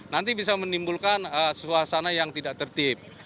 nanti bisa menimbulkan suasana yang tidak tertib